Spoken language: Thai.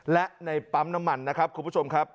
และในปั๊มน้ำมันนะครับคุณผู้ชมครับ